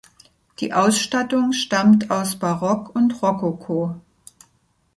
Die Ausstattung stammt aus Barock und Rokoko.